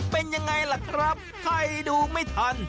เป็นยังไงล่ะครับใครดูไม่ทัน